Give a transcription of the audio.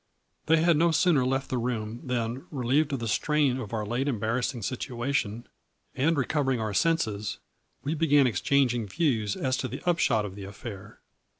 They had no sooner left the room than, relieved of the strain of our late embarrassing situation, and recovering our senses, we began exchanging views as to the upshot of the affair.